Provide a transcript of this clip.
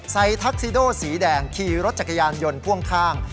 ทักซิโดสีแดงขี่รถจักรยานยนต์พ่วงข้าง